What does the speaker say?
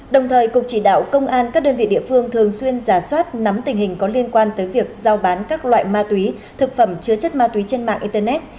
đồng thời cục chỉ đạo công an các đơn vị địa phương thường xuyên giả soát nắm tình hình có liên quan tới việc giao bán các loại ma túy thực phẩm chứa chất ma túy trên mạng internet